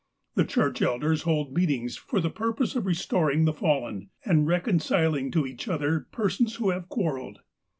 " The church elders hold meetings for the purpose of restor ing the fallen, and reconciling to each other persons who have quarrelled.